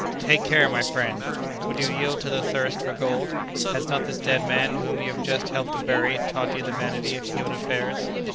"Take care, my friend! Would you yield to the thirst for gold? Has not this dead man whom you have just helped to bury, taught you the vanity of human affairs?"